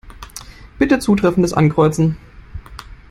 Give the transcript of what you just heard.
Bitte Zutreffendes ankreuzen.